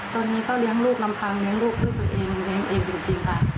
ตอนนี้ก็เลี้ยงลูกลำพังเลี้ยงลูกด้วยตัวเองเลี้ยงเองจริงค่ะ